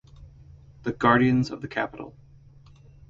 The guardians of the capital.